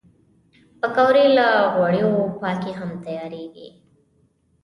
پکورې له غوړیو پاکې هم تیارېږي